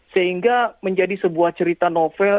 sehingga menjadi sebuah cerita novel